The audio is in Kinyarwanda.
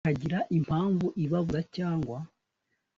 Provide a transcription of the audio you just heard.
bakagira impamvu ibabuza cyangwa